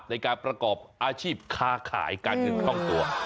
ในการประกอบอาชีพค่าขายการถึงข้องตัว